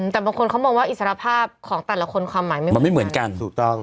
แต่บางคนเขามองว่าอิสรภาพของแต่ละคนความหมายมันไม่เหมือนกันถูกต้อง